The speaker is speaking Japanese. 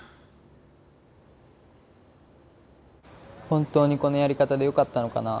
本当にこのやり方でよかったのかな